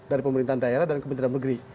dari pemerintahan daerah dan kementerian negeri